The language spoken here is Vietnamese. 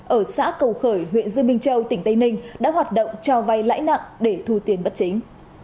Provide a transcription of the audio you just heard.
ở xã cầu khởi huyện dương minh châu tỉnh tây ninh đã hoạt động cho vay lãi nặng để thu tiền bất chính